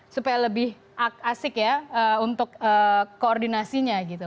supaya lebih asik ya untuk koordinasinya gitu